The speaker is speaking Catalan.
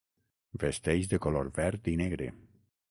Vesteix de color verd i negre.